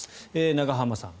永濱さん